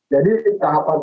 jadi tahapan tahapan yang